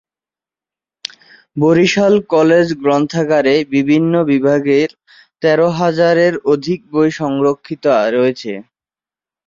Barishal college গ্রন্থাগারে বিভিন্ন বিভাগের তের হাজারের অধিক বই সংরক্ষিত রয়েছে।